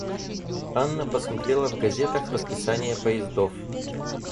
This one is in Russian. Анна посмотрела в газетах расписание поездов.